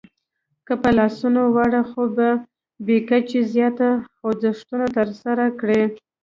که په لاسونو واړه خو بې کچې زیات خوځښتونه ترسره کړئ